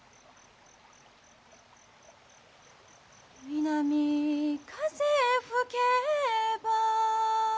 「南風吹けば」